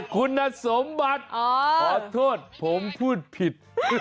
คุณสมบัติขอโทษผมพูดผิด